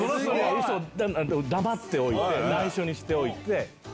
黙っておいて内緒にしておいて。